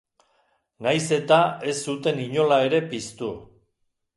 Nahiz eta ez zuten inola ere piztu.